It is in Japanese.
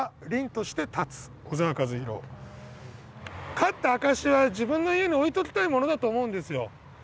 勝った証しは自分の家に置いときたいものだと思うんですよ。